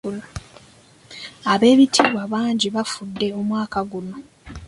Ab'ebitiibwa bangi abafudde omwaka guno.